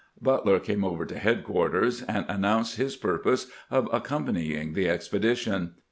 Butler came over to headquarters, and announced his purpose of accompanying the expe dition.